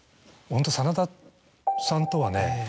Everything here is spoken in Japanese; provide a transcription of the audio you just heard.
ホント真田さんとはね。